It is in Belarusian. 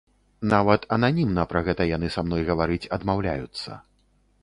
Нават ананімна пра гэта яны са мной гаварыць адмаўляюцца.